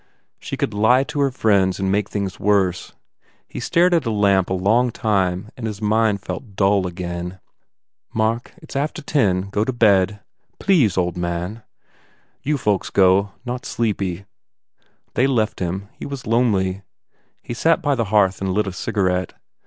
She could lie to her friends and make things worse. He stared at a lamp a long time and his mind fell dull again. "Mark, it s after ten. Go to bed," said Olive, "Please, old man." "You folks go. Not sleepy." They left him. He was lonely. He sat by the hearth and lit a cigarette.